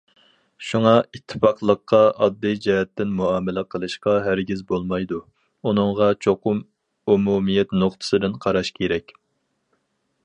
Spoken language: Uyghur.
شۇڭا، ئىتتىپاقلىققا ئاددىي جەھەتتىن مۇئامىلە قىلىشقا ھەرگىز بولمايدۇ، ئۇنىڭغا چوقۇم ئومۇمىيەت نۇقتىسىدىن قاراش كېرەك.